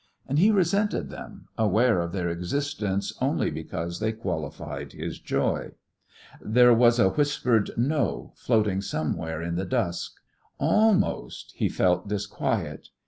And he resented them, aware of their existence only because they qualified his joy. There was a whispered "No" floating somewhere in the dusk. Almost he felt disquiet.